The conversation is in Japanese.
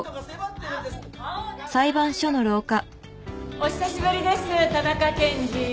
お久しぶりです田中検事。